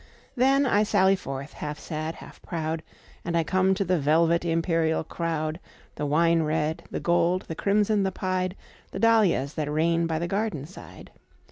Then, I sally forth, half sad, half proud, And I come to the velvet, imperial crowd, The wine red, the gold, the crimson, the pied,—The dahlias that reign by the garden side.